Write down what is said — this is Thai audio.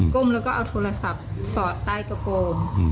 กล้มแล้วก็เอาโทรศัพท์สอดใต้กระโปรม